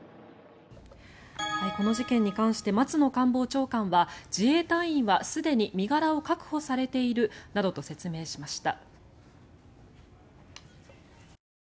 この事件に関して松野官房長官は自衛隊員はすでに身柄を確保されているなどと説明しました。